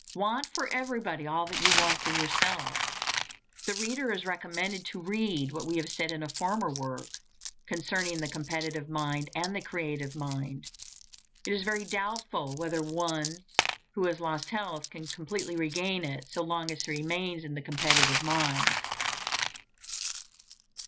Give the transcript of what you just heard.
Want for everybody all that you want for yourself. The reader is recommended to read what we have said in a former work[A] concerning the Competitive mind and the Creative mind. It is very doubtful whether one who has lost health can completely regain it so long as he remains in the competitive mind.